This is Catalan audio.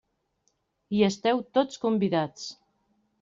Hi esteu tots convidats!